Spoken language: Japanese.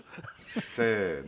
「せーの」